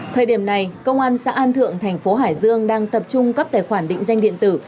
thời điểm này công an xã an thượng thành phố hải dương đang tập trung cấp tài khoản định danh điện tử